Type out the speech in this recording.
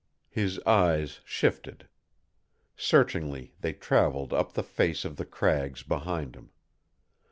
His eyes shifted. Searchingly they traveled up the face of the crags behind him.